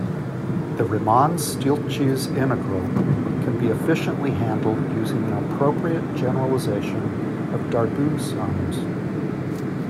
The Riemann-Stieltjes integral can be efficiently handled using an appropriate generalization of Darboux sums.